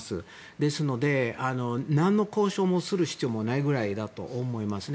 ですので、何の交渉もする必要もないくらいだと思いますね。